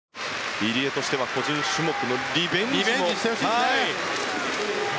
入江としては個人種目のリベンジを！